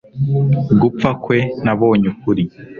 gupfa kwe nabonye ukuri